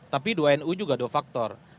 tapi dua nu juga dua faktor